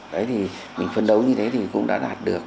đấy thì mình phấn đấu như thế thì cũng đã đạt được